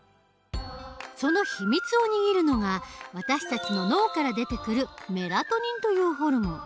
そのひみつを握るのが私たちの脳から出てくるメラトニンというホルモン。